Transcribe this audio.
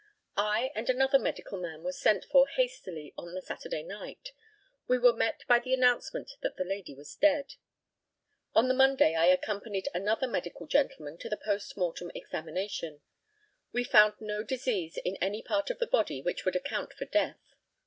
I and another medical man were sent for hastily on the Saturday night. We were met by the announcement that the lady was dead. On the Monday I accompanied another medical gentleman to the post mortem examination. We found no disease in any part of the body which would account for death.